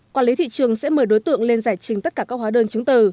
quản lý thị trường sẽ mời đối tượng lên giải trình tất cả các hóa đơn chứng từ